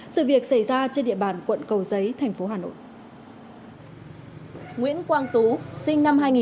sự việc xảy ra trên địa bàn quận cầu giấy thành phố hà nội